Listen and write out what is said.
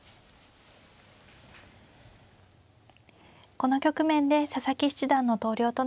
この局面で佐々木七段の投了となりました。